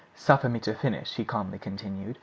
"Suffer me to finish," he calmly continued.